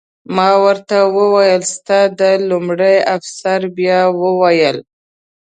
ما ورته وویل: ستا د... لومړي افسر بیا وویل.